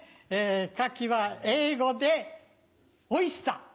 牡蠣は英語でオイスター。